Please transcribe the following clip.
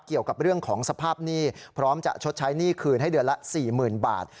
เกี่ยวกับเรื่องของสภาพหนี้พร้อมจะชดใช้หนี้คืนให้เดือนละ๔๐๐๐บาท